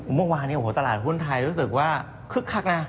เมื่อวานตลาดหุ้นไทยรู้สึกว่าคึกคักนะ